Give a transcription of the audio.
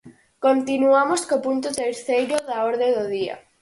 Continuamos co punto terceiro da orde do día.